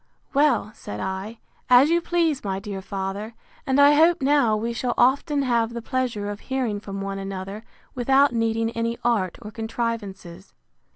Well, said I, as you please, my dear father; and I hope now we shall often have the pleasure of hearing from one another, without needing any art or contrivances.